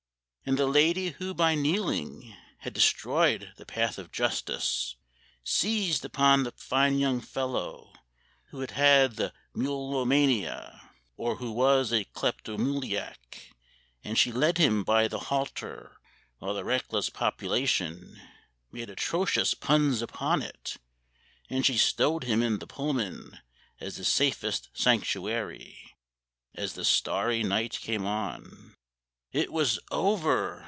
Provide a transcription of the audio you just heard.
And the lady who by kneeling Had destroyed the path of justice, Seized upon the fine young fellow, He who had the mulomania, Or who was a kleptomuliac; And she led him by the halter, While the reckless population Made atrocious puns upon it; And she stowed him in the Pullman As the safest sanctuary, As the starry night came on. It was over.